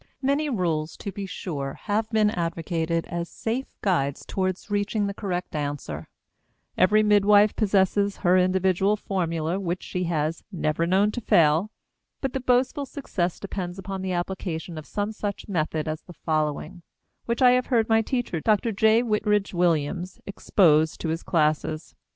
Many rules, to be sure, have been advocated as safe guides toward reaching the correct answer; every midwife possesses her individual formula which she has "never known to fail." But the boastful success depends upon the application of some such method as the following, which I have heard my teacher, Dr. J. Whitridge Williams, expose to his classes.